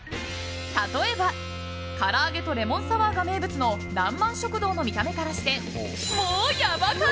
例えばから揚げとレモンサワーが名物のらんまん食堂の見た目からしてもうヤバ辛！